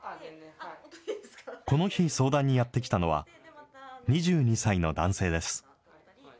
この日、相談にやって来たのは、２２歳の男性です。